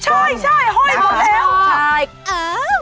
ใช่ห้อยก็เท้ง